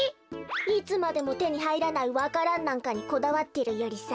いつまでもてにはいらないわか蘭なんかにこだわってるよりさ。